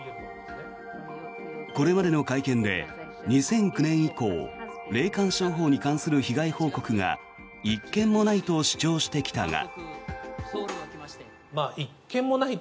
これまでの会見で２００９年以降霊感商法に関する被害報告が１件もないと主張してきたが。